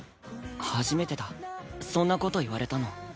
初めてだそんな事言われたの。